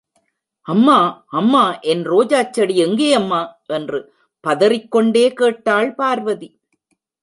அம்மா, அம்மா என் ரோஜாச் செடி எங்கே அம்மா? என்று பதறிக்கொண்டே கேட்டாள் பார்வதி.